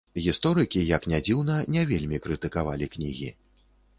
Гісторыкі, як не дзіўна, не вельмі крытыкавалі кнігі.